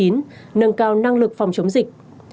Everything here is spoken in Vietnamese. nâng cao năng lực phòng chống dịch